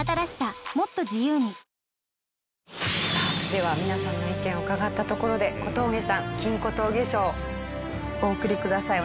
では皆さんの意見を伺ったところで小峠さん金小峠賞お贈りください。